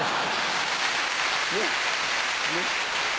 ねっねっ。